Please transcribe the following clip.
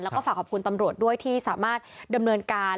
แล้วก็ฝากขอบคุณตำรวจด้วยที่สามารถดำเนินการ